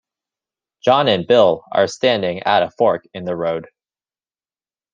John and Bill are standing at a fork in the road.